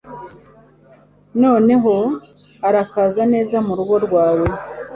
Noneho urakaza neza murugo rwawe